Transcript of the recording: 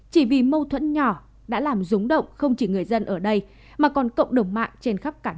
chỉ vì mâu thuẫn nhỏ đã làm rúng động không chỉ người dân ở đây mà còn cộng đồng mạng trên khắp cả nước